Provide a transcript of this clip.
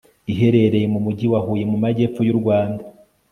iherereye mu mujyi wa huye mu majyepfo y'u rwanda